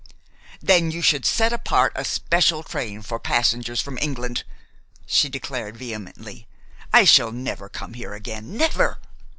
"Then you should set apart a special train for passengers from England!" she declared vehemently. "I shall never come here again never!